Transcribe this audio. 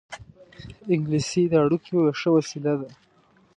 انګلیسي د اړیکو یوه ښه وسیله ده